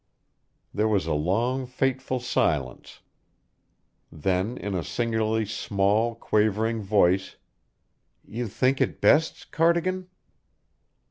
There was a long, fateful silence. Then in a singularly small, quavering voice: "You think it best, Cardigan?"